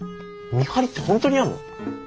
見張りって本当にやんの？